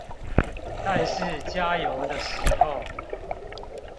但是加油的時候